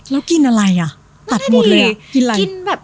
แล้วกินอะไรอ่ะตัดหมดเลยอ่ะ